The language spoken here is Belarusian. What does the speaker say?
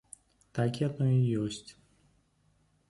Так яно і ёсць.